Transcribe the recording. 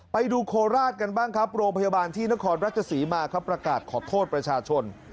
โคราชกันบ้างครับโรงพยาบาลที่นครราชศรีมาครับประกาศขอโทษประชาชน